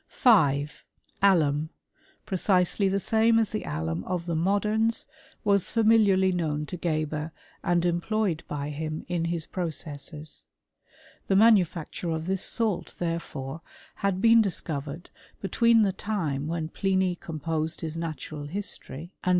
5. Alum, precisely the same as the alum of the modems, was familiarly known to Geber, and em ployed by him in his processes. The manufacture of this salt, therefore, had been discovered between the time when Pliny composed his Natural History and 126 RISTOBT 07 CH£MI8TAY.